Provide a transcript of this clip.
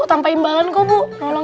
tanpa imbalan kok bu